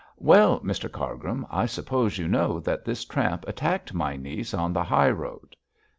Well, Mr Cargrim, I suppose you know that this tramp attacked my niece on the high road.'